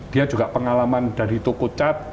dia juga pengalaman dari tuku cat